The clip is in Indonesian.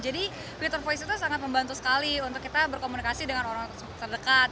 jadi fitur voice itu sangat membantu sekali untuk kita berkomunikasi dengan orang terdekat